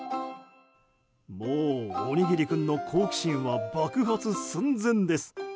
もう、おにぎり君の好奇心は爆発寸前です。